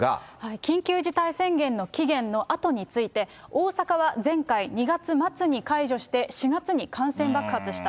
緊急事態宣言の期限のあとについて、大阪は前回、２月末に解除して、４月に感染爆発した。